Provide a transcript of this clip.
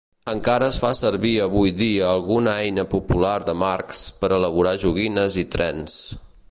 Encara es fa servir avui dia alguna eina popular de Marx per elaborar joguines i trens.